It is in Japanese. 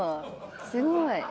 すごい。